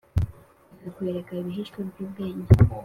ikakwereka ibihishwe by’ubwenge,